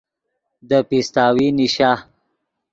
دے پیستاوی نیشا